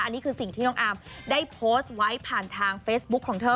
อันนี้คือสิ่งที่น้องอาร์มได้โพสต์ไว้ผ่านทางเฟซบุ๊คของเธอ